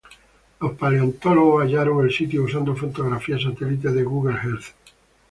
Los Paleontólogos hallaron el sitio usando fotografías satelitales de Google Earth.